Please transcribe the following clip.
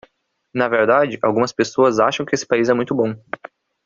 Na verdade, algumas pessoas acham que esse país é muito bom.